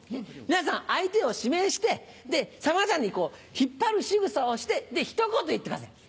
皆さん相手を指名してさまざまに引っ張るしぐさをしてひと言言ってください。